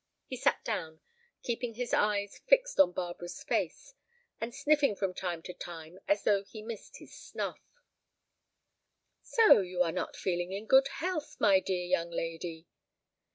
He sat down, keeping his eyes fixed on Barbara's face, and sniffing from time to time as though he missed his snuff. "So you are not feeling in good health, my dear young lady."